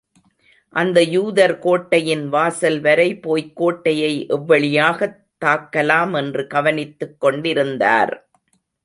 அந்த யூதர் கோட்டையின் வாசல் வரை போய்க் கோட்டையை எவ்வழியாகத் தாக்கலாம் என்று கவனித்துக் கொண்டிருந்தார்.